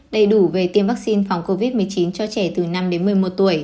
đầy đủ về tiêm vaccine phòng covid một mươi chín cho trẻ từ năm đến một mươi một tuổi